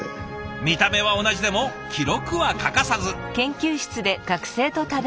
見た目は同じでも記録は欠かさず。